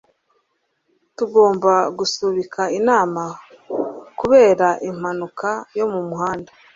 tugomba gusubika inama kubera impanuka yo mu muhanda